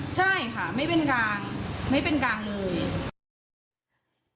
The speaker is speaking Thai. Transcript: ใช่ค่ะไม่เป็นกลางไม่เป็นกลางเลย